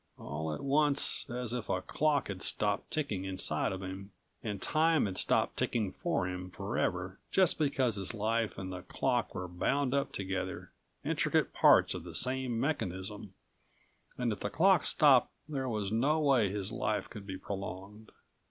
All at once, as if a clock had stopped ticking inside of him, and Time had stopped ticking for him forever just because his life and the clock were bound up together, intricate parts of the same mechanism, and if the clock stopped there was no way his life could be prolonged.